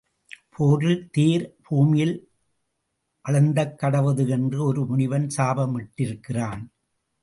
போரில் தேர் பூமியில் அழுந்தக்கடவது என்று ஒரு முனிவன் சாப மிட்டிருக்கிறான்.